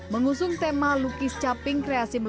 mengusung tema lukis caping kreasi